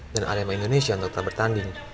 dan alema indonesia untuk tak bertanding